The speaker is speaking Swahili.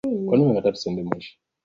na pamoja na tunatambua